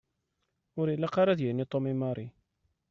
Ur ilaq ara ad yini Tom i Mary.